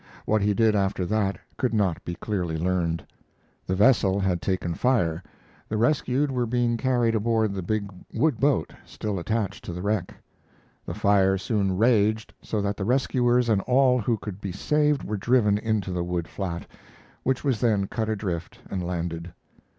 What he did after that could not be clearly learned. The vessel had taken fire; the rescued were being carried aboard the big wood boat still attached to the wreck. The fire soon raged so that the rescuers and all who could be saved were driven into the wood flat, which was then cut adrift and landed.